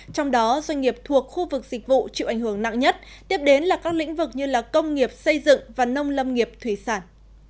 trong đó doanh nghiệp thuộc khu vực dịch vụ chịu ảnh hưởng nặng nhất tiếp đến là các lĩnh vực như công nghiệp xây dựng và nông lâm nghiệp thủy sản